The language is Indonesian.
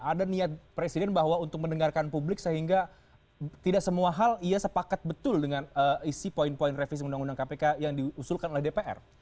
ada niat presiden bahwa untuk mendengarkan publik sehingga tidak semua hal ia sepakat betul dengan isi poin poin revisi undang undang kpk yang diusulkan oleh dpr